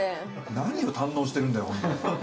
何を堪能してるんだよ。